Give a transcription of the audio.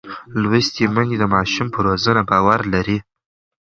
لوستې میندې د ماشوم پر روزنه باور لري.